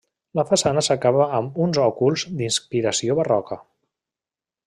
La façana s'acaba amb uns òculs d'inspiració barroca.